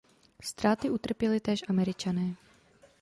Ztráty utrpěli též Američané.